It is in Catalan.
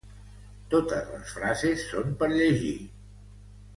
Totes les frases són per llegir.